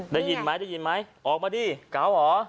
ได้ยินมั้ยได้ยินมั้ยออกมาดิเกาหรอ